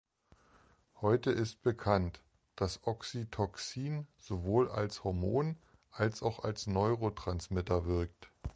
Heute ist bekannt, dass Oxytocin sowohl als Hormon als auch als Neurotransmitter wirkt.